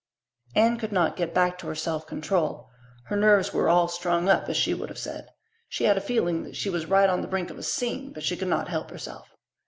Anne could not get back her self control. Her nerves were "all strung up," as she would have said. She had a feeling that she was right on the brink of a "scene," but she could not help herself.